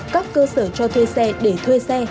các cơ sở cho thuê xe để thuê xe